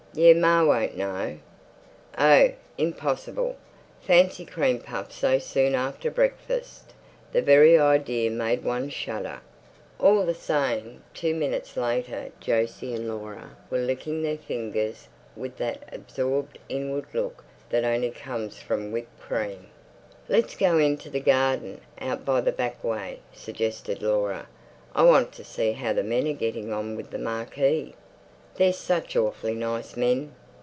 "Yer ma won't know." Oh, impossible. Fancy cream puffs so soon after breakfast. The very idea made one shudder. All the same, two minutes later Jose and Laura were licking their fingers with that absorbed inward look that only comes from whipped cream. "Let's go into the garden, out by the back way," suggested Laura. "I want to see how the men are getting on with the marquee. They're such awfully nice men."